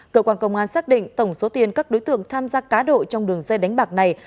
cơ quan công an xác định tổng số tiền các đối tượng tham gia cá độ trong đường dây đánh bạc này